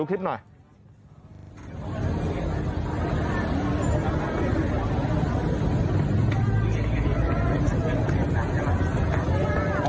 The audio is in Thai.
ขอบคุณมากครับ